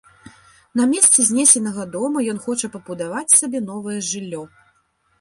На месцы знесенага дома ён хоча пабудаваць сабе новае жыллё.